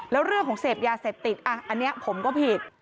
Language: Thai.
แล้วเรื่องของเสพยาเสพติดอันนี้ผมก็ผิด